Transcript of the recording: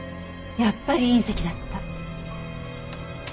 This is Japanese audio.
やっぱり隕石だった。